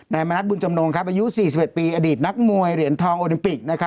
มณัฐบุญจำนงอายุ๔๑ปีอดีตนักมวยเหรียญทองโอลิมปิก